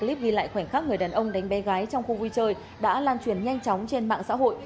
clip ghi lại khoảnh khắc người đàn ông đánh bé gái trong khu vui chơi đã lan truyền nhanh chóng trên mạng xã hội